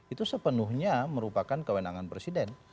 itu sepenuhnya merupakan kewenangan presiden